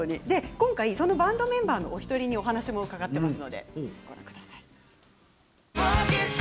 今回、バンドメンバーのお一人にお話を聞いてます。